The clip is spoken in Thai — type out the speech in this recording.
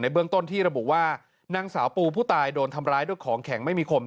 เบื้องต้นที่ระบุว่านางสาวปูผู้ตายโดนทำร้ายด้วยของแข็งไม่มีคม